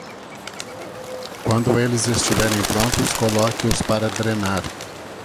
Quando eles estiverem prontos, coloque-os para drenar.